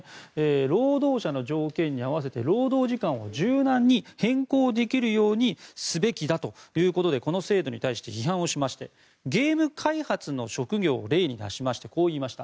労働者の条件に合わせて労働時間を柔軟に変更できるようにすべきだとこの制度に対して批判をしましてゲーム開発の職業を例に出してこう言いました。